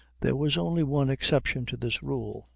There was only one exception to this rule.